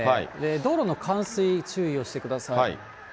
道路の冠水、注意をしてください。